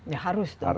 ya harus dong